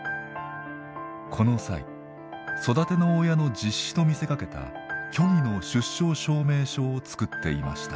この際育ての親の実子と見せかけた虚偽の出生証明書を作っていました。